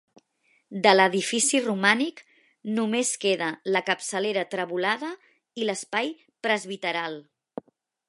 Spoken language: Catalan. De l'edifici romànic només queda la capçalera trevolada i l'espai presbiteral.